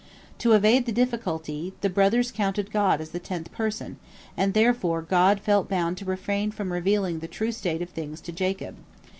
To evade the difficulty, the brothers counted God as the tenth person, and therefore God felt bound to refrain from revealing the true state of things to Jacob.